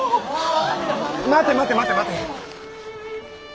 待て待て待て待て。